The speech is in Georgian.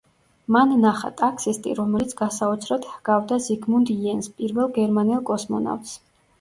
მან ნახა ტაქსისტი, რომელიც გასაოცრად ჰგავდა ზიგმუნდ იენს, პირველ გერმანელ კოსმონავტს.